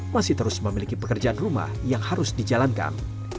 masih terus memiliki pekerjaan rumah yang harus dijalankan